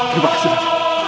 terima kasih raden